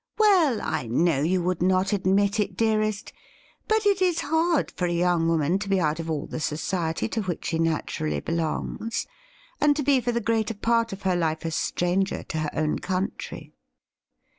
' Well, I know you would not admit it, dearest, but it is hard for a young woman to be out of all the society to which she natiu ally belongs, and to be for the greater part of her life a stranger to her own country.'